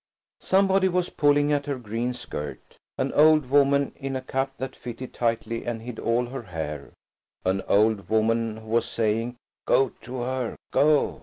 Somebody was pulling at her green skirt. An old woman in a cap that fitted tightly and hid all her hair–an old woman who was saying, "Go to her! go!"